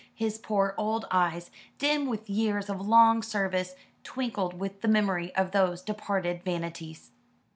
His poor old eyes, dim with years of long service, twinkled with the memory of those departed vanities.